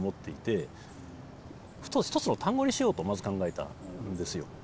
１つの単語にしようとまず考えたんですよ。